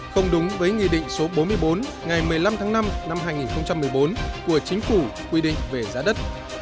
không đúng với nghị định số bốn mươi bốn ngày một mươi năm tháng năm năm hai nghìn một mươi bốn của chính phủ quy định về giá đất